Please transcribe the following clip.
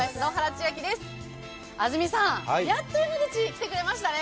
安住さん、やっと山口に来てくれましたね！